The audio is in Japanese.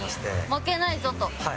負けないぞと。